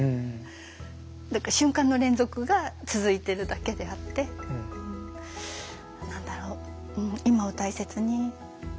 だから瞬間の連続が続いてるだけであって何だろううん今を大切に。